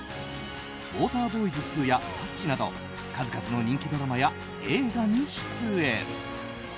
「ウォーターボーイズ２」や「タッチ」など数々の人気ドラマや映画に出演。